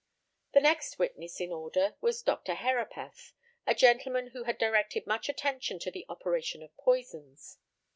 The next witness in order was Dr. Herapath, a gentleman who had directed much attention to the operation of poisons.